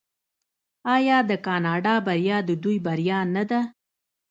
آیا د کاناډا بریا د دوی بریا نه ده؟